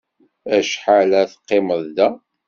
Acḥal ad teqqimeḍ da?